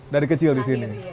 dari kecil disini